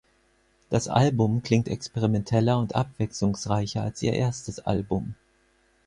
Das Album klingt experimenteller und abwechslungsreicher als ihr erstes Album.